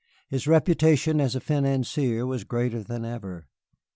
His reputation as a financier was greater than ever.